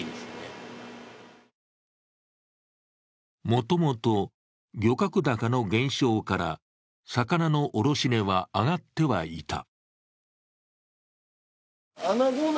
もともと漁獲高の減少から魚の卸値は上がってはいた。